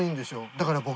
だから僕。